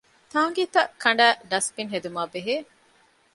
ތާނގީތައް ކަނޑައި ޑަސްބިން ހެދުމާބެހޭ